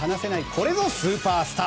これぞスーパースター。